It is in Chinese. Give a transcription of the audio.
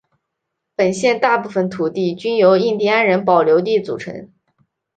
本县大部份土地均由印第安人保留地组成。